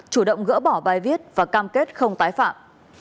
chủ động gỡ bỏ bài viết và cam kết không tái phạm